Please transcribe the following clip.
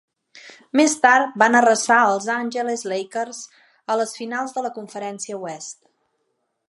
Més tard van arrasar els Angeles Lakers a les finals de la Conferència Oest.